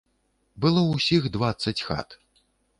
Было ўсіх дваццаць хат.